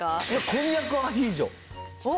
こんにゃくアヒージョ。